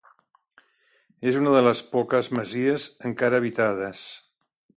És una de les poques masies encara habitades.